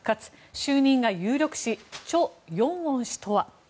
就任が有力視チョ・ヨンウォン氏とは。